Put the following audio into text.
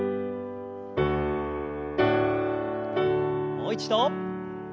もう一度。